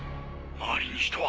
周りに人は？